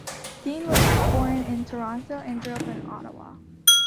Dean was born in Toronto and grew up in Ottawa.